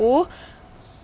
kamu harusnya sadar